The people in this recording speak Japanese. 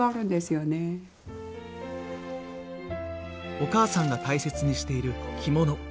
お母さんが大切にしている着物。